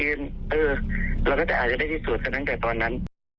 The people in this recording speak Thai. เออเราก็จะได้สัญลักษณ์ตั้งแต่ตอนนั้น